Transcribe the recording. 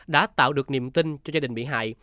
đã tạo được niềm tin cho gia đình bị hại